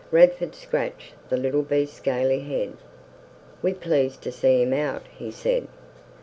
Radford scratched the little beast's scaly head. "We pleased to see him out," he said.